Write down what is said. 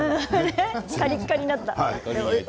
カリカリになった。